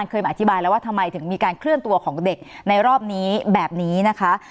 เคยมาอธิบายแล้วว่าทำไมถึงมีการเคลื่อนตัวของเด็กในรอบนี้แบบนี้นะคะ